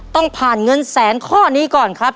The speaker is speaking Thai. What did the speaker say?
ต้องผ่านเงินแสนข้อนี้ก่อนครับ